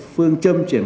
phương châm chuyển